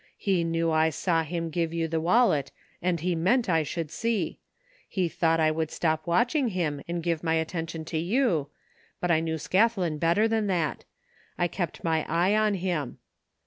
He knew I saw him give you the wallet and he meant I should see. He thought I would stop watching him and give my attention to you, but I knew Scathlin better than that I kept my eye on liim.